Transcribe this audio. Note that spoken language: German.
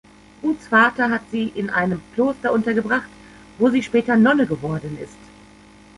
Ruths Vater hat sie in einem Kloster untergebracht, wo sie später Nonne geworden ist.